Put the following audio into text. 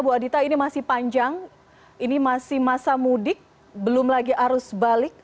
bu adita ini masih panjang ini masih masa mudik belum lagi arus balik